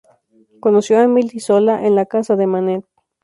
Conoció a Émile Zola en la casa de Manet.